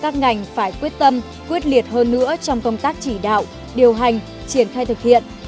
các ngành phải quyết tâm quyết liệt hơn nữa trong công tác chỉ đạo điều hành triển khai thực hiện